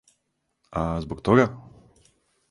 А, због тога?